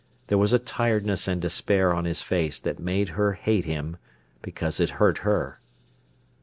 There was a tiredness and despair on his face that made her hate him, because it hurt her.